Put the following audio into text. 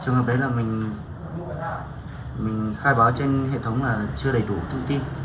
trường hợp đấy là mình khai báo trên hệ thống là chưa đầy đủ thông tin